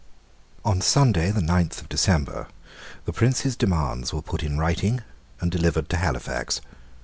On Sunday, the ninth of December, the Prince's demands were put in writing, and delivered to Halifax.